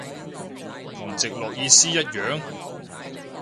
同直落意思一樣？